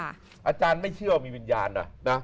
อาจารย์ไม่เชื่อว่ามีวิญญาณนะ